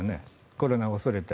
コロナを恐れて。